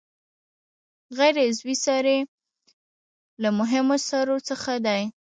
غیر عضوي سرې له مهمو سرو څخه دي.